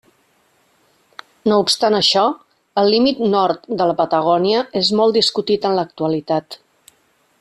No obstant això, el límit nord de la Patagònia és molt discutit en l'actualitat.